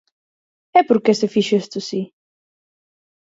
¿E por que se fixo isto así?